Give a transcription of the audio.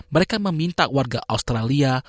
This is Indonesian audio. mereka meminta warga australia